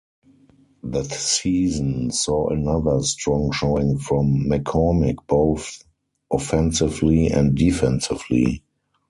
The season saw another strong showing from McCormick both offensively and defensively.